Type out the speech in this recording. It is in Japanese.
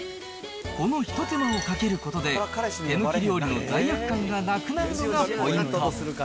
この一手間をかけることで、手抜き料理の罪悪感がなくなるのがポイント。